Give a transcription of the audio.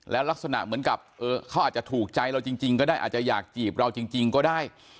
ลักษณะเหมือนกับเขาอาจจะถูกใจเราจริงก็ได้อาจจะอยากจีบเราจริงก็ได้